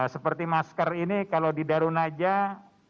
seperti masker ini kalau di darun najah